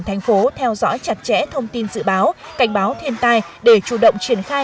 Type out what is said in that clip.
thành phố theo dõi chặt chẽ thông tin dự báo cảnh báo thiên tai để chủ động triển khai